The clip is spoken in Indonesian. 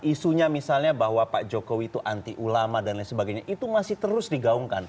isunya misalnya bahwa pak jokowi itu anti ulama dan lain sebagainya itu masih terus digaungkan